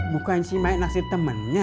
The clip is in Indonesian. bukain si maya naksir temennya